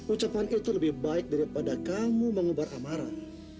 ucapan itu lebih baik daripada kamu mengubah amaran